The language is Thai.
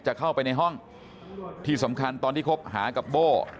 จะเข้าไปในห้องที่สำคัญตอนที่คบหากับโบ้